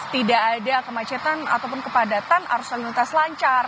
tidak ada kemacetan ataupun kepadatan arus lalu lintas lancar